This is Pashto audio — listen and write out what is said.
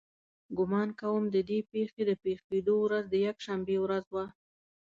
ګمان کوم د دې پېښې د پېښېدو ورځ د یکشنبې ورځ وه.